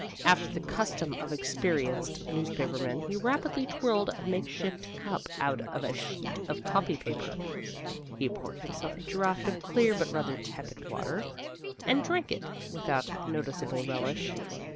After the custom of experienced newspapermen, he rapidly twirled a makeshift cup out of a sheet of copy paper. He poured himself a draught of clear but rather tepid water, and drank it without noticeable relish.